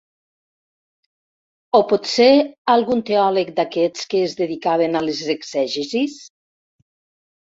O potser algun teòleg d'aquests que es dedicaven a les exegesis?